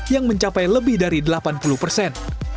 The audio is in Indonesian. yang mencapai lebih dari delapan puluh persen